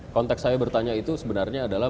konteks saya bertanya itu sebenarnya adalah